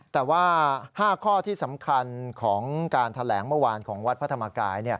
แต่ว่า๕ข้อที่สำคัญของการแถลงเมื่อวานของวัดพระธรรมกาย